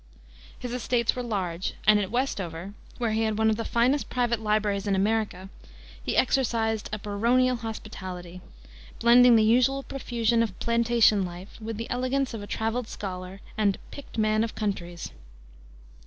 His estates were large, and at Westover where he had one of the finest private libraries in America he exercised a baronial hospitality, blending the usual profusion of plantation life with the elegance of a traveled scholar and "picked man of countries."